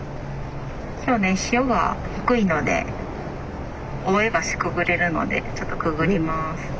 今日ね潮が低いので大江橋くぐれるのでちょっとくぐります。